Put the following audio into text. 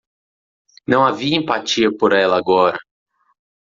Não havia empatia por ela agora.